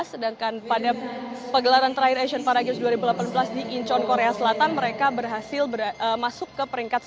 sedangkan pada pegelaran terakhir asian paragames dua ribu delapan belas di incheon korea selatan mereka berhasil masuk ke peringkat satu